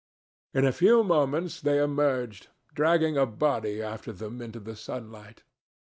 In a few moments they emerged, dragging a body after them into the sunlight.